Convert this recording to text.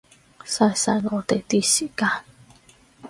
嘥晒我哋啲時間